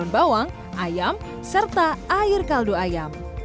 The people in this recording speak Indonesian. bawang ayam serta air kaldu ayam